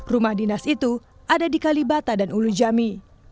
rumah dinas itu ada di kalibata dan ulu jami